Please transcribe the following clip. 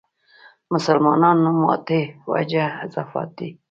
مسلمانانو ماتې وجه اضافات دي.